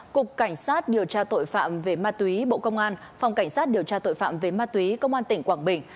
cục cảnh sát điều tra tội phạm về ma túy bộ công an phòng cảnh sát điều tra tội phạm về ma túy công an tỉnh quảng bình